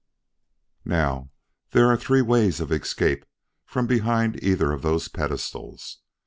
Now, there are three ways of escape from behind either of those pedestals.